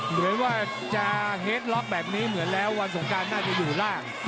เหมือนว่าจะเฮดล็อกแบบนี้เหมือนแล้ววันสงการน่าจะอยู่ล่าง